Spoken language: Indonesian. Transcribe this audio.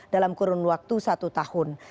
dalam kurun waktu satu tahun